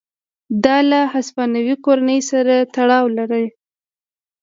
دا له هسپانوي کورنۍ سره تړاو لري.